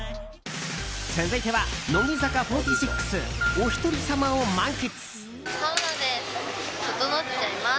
続いては、乃木坂４６おひとりさまを満喫！